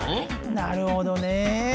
なるほどね。